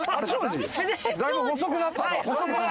だいぶ細くなったな。